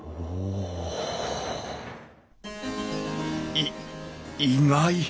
い意外！